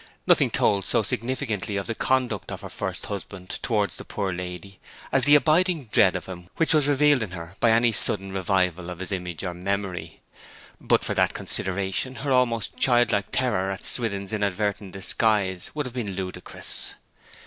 Nothing told so significantly of the conduct of her first husband towards the poor lady as the abiding dread of him which was revealed in her by any sudden revival of his image or memory. But for that consideration her almost childlike terror at Swithin's inadvertent disguise would have been ludicrous.